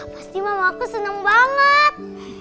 pasti mama aku seneng banget